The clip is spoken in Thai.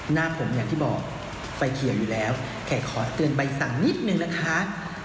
หน้าผมอย่างที่บอกไฟเขียวอยู่แล้วแขกขอเตือนใบสั่งนิดนึงนะคะ